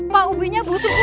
pak ubinya busuk